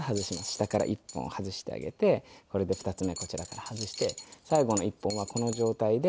下から１本外してあげてこれで２つ目こちらから外して最後の１本はこの状態で。